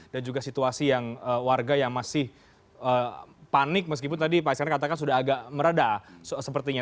dan juga situasi yang warga yang masih panik meskipun tadi pak iskandar katakan sudah agak merada sepertinya